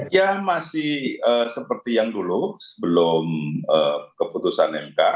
ya masih seperti yang dulu sebelum keputusan mk